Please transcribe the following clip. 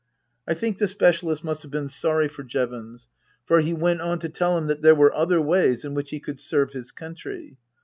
I think the specialist must have been sorry for Jevons, for he went on to tell him that there were other ways in which he could serve his country.